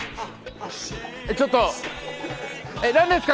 ちょっと、何ですか？